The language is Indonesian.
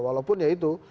walaupun ya itu